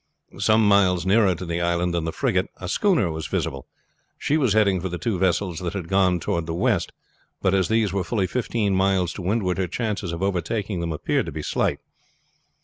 Some miles nearer to the island than the frigate a schooner was visible. She was heading for the two vessels that had gone toward the west, but as these were fully fifteen miles to windward her chance of overtaking them appeared to be slight.